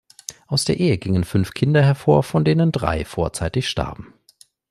Aus der Ehe gingen fünf Kinder hervor, von denen drei vorzeitig starben.